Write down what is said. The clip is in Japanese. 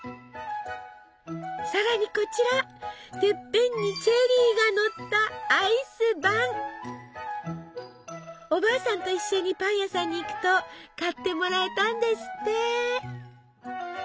さらにこちらてっぺんにチェリーがのったおばあさんと一緒にパン屋さんに行くと買ってもらえたんですって！